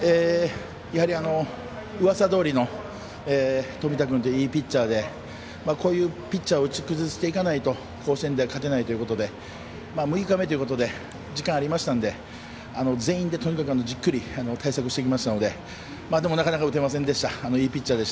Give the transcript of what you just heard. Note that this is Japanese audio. やはり、うわさどおりの冨田君といういいピッチャーでこういうピッチャーを打ち崩していかないと試合では勝てないということで６日目ということで時間ありましたので全員でとにかくじっくり対策してきましたのでなかなか打てませんでした。